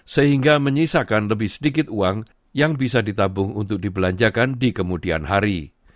sehingga menyisakan lebih sedikit uang yang bisa ditabung untuk dibelanjakan di kemudian hari